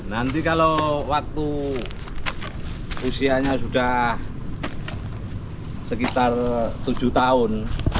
nanti kalau waktu usianya sudah sekitar tujuh tahun